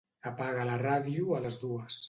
Apaga la ràdio a les dues.